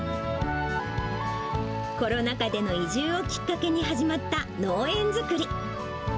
コロナ禍での移住をきっかけに始まった農園作り。